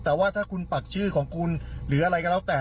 แต่ว่าถ้าคุณปักชื่อของคุณหรืออะไรก็แล้วแต่